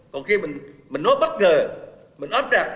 còn khi mình nói bất ngờ mình áp đặt